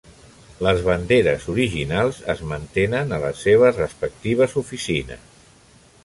Les banderes originals es mantenen a les seves respectives oficines.